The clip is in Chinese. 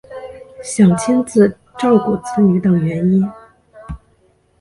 想亲自照顾子女等原因